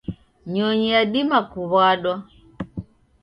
Nyonyi yadima kuwadwa